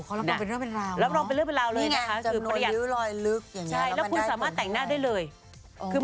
โอ้เขารับรองเป็นเรื่องเป็นราวเหรอ